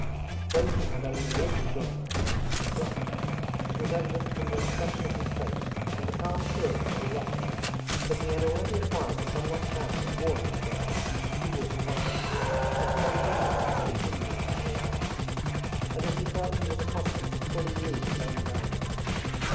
Though he had only lately joined the Cossacks at the front, it was evident from the expression of his face and the calm assurance of his attitude that he had already acquired the somewhat proud and warlike bearing peculiar to Cossacks and to men generally who continually carry arms, and that he felt he was a Cossack and fully knew his own value.